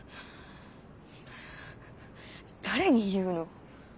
誰に言うの？